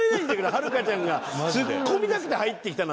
はるかちゃんがツッコみたくて入ってきたなんて。